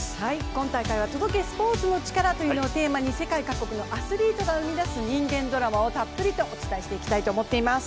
今大会は「届け、スポーツのチカラ」をテーマに世界各国のアスリートが生み出す人間ドラマをたっぷりとお伝えしていきたいと思っています。